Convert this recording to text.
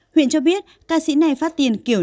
huyện cho biết ca sĩ này phát tiền kiểu